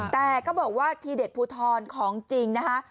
แต่ก็บอกว่าทีเด็ดภูทรของจริงนะคะ